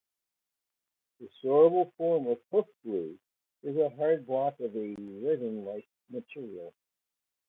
The storable form of hoof glue is a hard block of resin-like material.